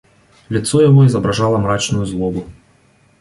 Лицо его изображало мрачную злобу.